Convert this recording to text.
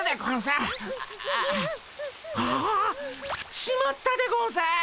あしまったでゴンス！